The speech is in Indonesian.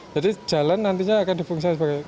jadi jalan nantinya akan dipungsi sebagai